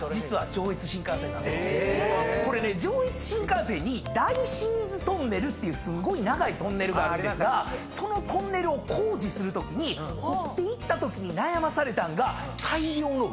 これね上越新幹線に大清水トンネルっていうすんごい長いトンネルがあるんですがそのトンネルを工事するときに掘っていったときに悩まされたんが。